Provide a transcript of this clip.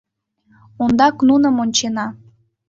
— Ондак нуным ончена!